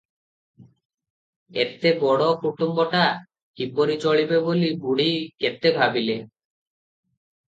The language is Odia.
ଏତେବଡ଼ କୁଟୁମ୍ବଟା- କିପରି ଚଳିବେ ବୋଲି ବୁଢ଼ୀ କେତେ ଭାବିଲେ ।